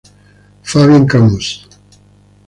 Fabien Camus